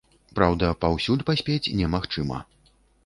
Праўда, паўсюль паспець немагчыма.